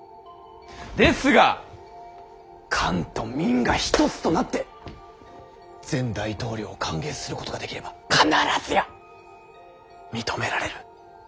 ですが官と民が一つとなって前大統領を歓迎することができれば必ずや認められる。